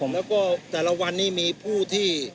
แล้วก็แต่ละวันนี้มีผู้ที่